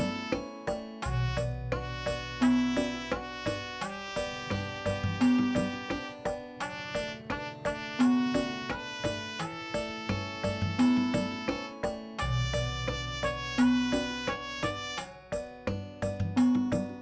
nanti aku jalan jalan